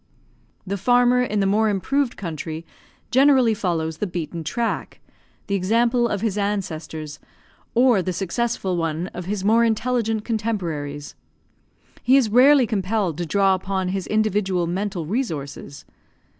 The farmer in the more improved country generally follows the beaten track, the example of his ancestors, or the successful one of his more intelligent contemporaries; he is rarely compelled to draw upon his individual mental resources.